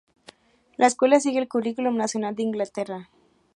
La escuela sigue el Curriculum Nacional de Inglaterra.